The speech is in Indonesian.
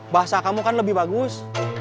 bahasa kamu kan lebih bagus